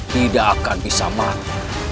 tidak akan bisa mati